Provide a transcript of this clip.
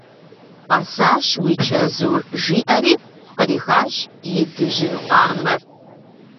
Къэсащ уи чэзур! – жиӏэри кърихащ и дыжьын къамэр.